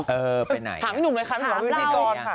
เออไปไหนถามให้หนูเลยค่ะถามวิวที่ก่อนค่ะ